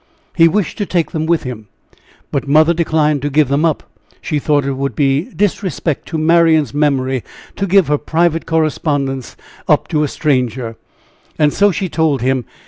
He wished to take them with him, but mother declined to give them up; she thought it would be disrespect to Marian's memory to give her private correspondence up to a stranger, and so she told him.